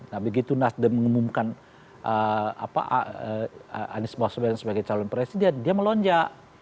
nah begitu nasdem mengumumkan anies baswedan sebagai calon presiden dia melonjak